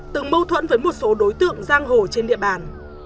từng mâu thuẫn với một số đối tượng giang hồ trên địa bàn